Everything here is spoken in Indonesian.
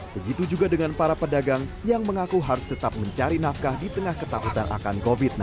begitu juga dengan para pedagang yang mengaku harus tetap mencari nafkah di tengah ketakutan akan covid sembilan belas